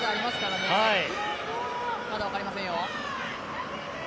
まだ分かりませんよ。